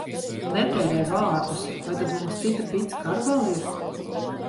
Netērē vārdus! Vai tad mums cita picka ar vēl ir?